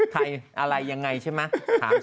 อะไรยังไงใช่ไหม